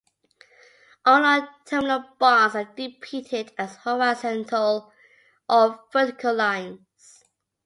All nonterminal bonds are depicted as horizontal or vertical lines.